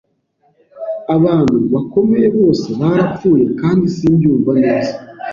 Abantu bakomeye bose barapfuye kandi simbyumva neza.